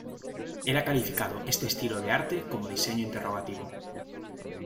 Él ha calificado este estilo de arte como Diseño Interrogativo.